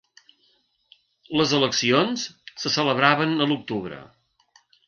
Les eleccions se celebraven a l'octubre.